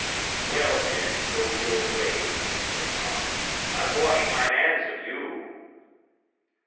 "Well, then, go your way," said Tom; "I wash my hands of you."